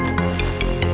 aku mau ke sana